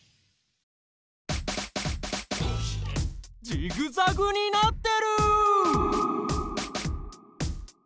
ジグザグになってる！？